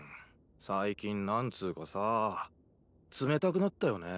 最近なんつーかさぁ冷たくなったよねぇ。